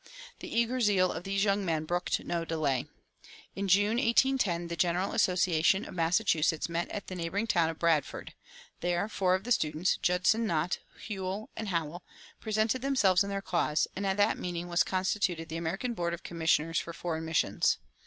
The eager zeal of these young men brooked no delay. In June, 1810, the General Association of Massachusetts met at the neighboring town of Bradford; there four of the students, Judson, Nott, Newell, and Hall, presented themselves and their cause; and at that meeting was constituted the American Board of Commissioners for Foreign Missions.